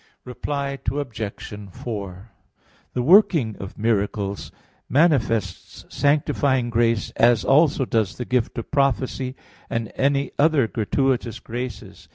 Reply Obj. 4: The working of miracles manifests sanctifying grace as also does the gift of prophecy and any other gratuitous graces.